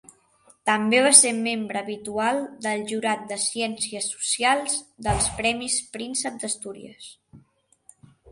També va ser membre habitual del jurat de Ciències Socials dels Premis Príncep d'Astúries.